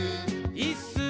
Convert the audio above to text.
いっすー！